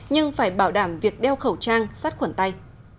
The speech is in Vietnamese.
nhưng phải bảo đảm việc đeo khẩu trang sát khuẩn tay